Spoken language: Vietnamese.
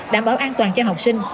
đảm bảo an toàn cho học sinh